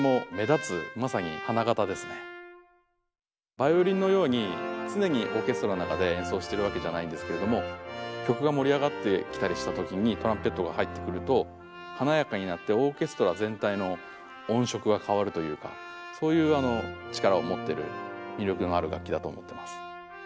ヴァイオリンのように常にオーケストラの中で演奏してるわけじゃないんですけれども曲が盛り上がってきたりした時にトランペットが入ってくるとそういう力を持ってる魅力のある楽器だと思ってます。